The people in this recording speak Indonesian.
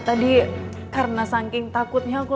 tadi karena saking takutnya aku